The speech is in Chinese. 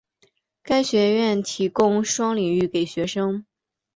该学院提供双领域给学生。